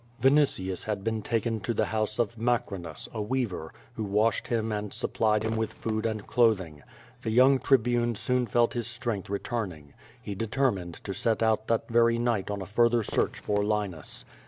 Vinitius had been taken to the house of Macrinus, a weaver, who washed him and supplied him with food and clothing. The young Tribune soon felt his strength return ing. He determined to set out that very night on a further search for Linus.